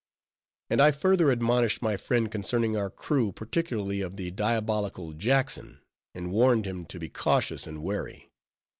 And I further admonished my friend concerning our crew, particularly of the diabolical Jackson, and warned him to be cautious and wary.